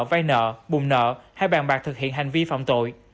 vay nợ bùng nợ hay bàn bạc thực hiện hành vi phạm tội